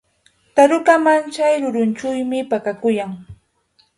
Taruka machay rurinćhuumi pakakuyan.